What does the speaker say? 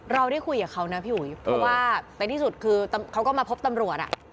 เราได้คุยกับเขานะพี่อุ๋ยเพราะว่าในที่สุดคือเขาก็มาพบตำรวจ